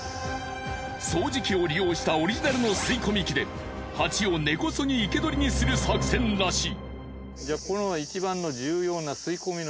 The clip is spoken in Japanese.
掃除機を利用したオリジナルの吸い込み機でハチを根こそぎ生け捕りにする作戦らしい。